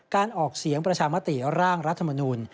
การออกเสียงประชามติร่างรัฐมนูล